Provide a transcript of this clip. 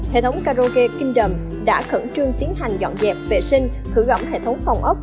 hệ thống karaoke kingdom đã khẩn trương tiến hành dọn dẹp vệ sinh thử gõng hệ thống phòng ấp